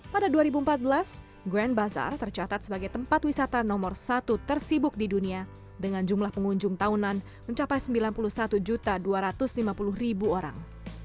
pada dua ribu empat belas grand bazar tercatat sebagai tempat wisata nomor satu tersibuk di dunia dengan jumlah pengunjung tahunan mencapai sembilan puluh satu dua ratus lima puluh orang